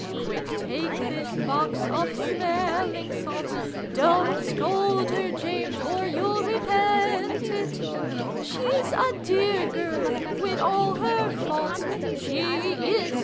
" Quick ! Take this box of smelling salts ! Dont scold her, James, or you'll repent it, She's a dear girl, with all her fait Its " She is